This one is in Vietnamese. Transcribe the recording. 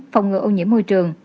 phòng ngừa ô nhiễm môi trường